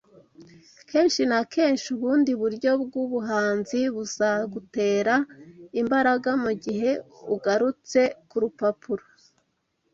Kenshi na kenshi ubundi buryo bwubuhanzi buzagutera imbaraga mugihe ugarutse kurupapuro